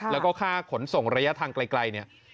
แล้วก็ค่าขนส่งระยะทางไกลเนี่ย